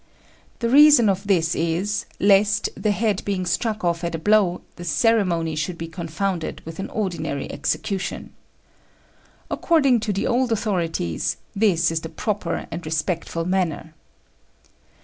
The reason of this is, lest, the head being struck off at a blow, the ceremony should be confounded with an ordinary execution. According to the old authorities, this is the proper and respectful manner.